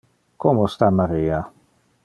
Como sta Maria?